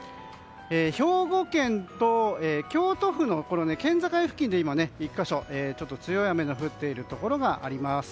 兵庫県と京都府の県境付近で１か所、ちょっと強い雨が降っているところがあります。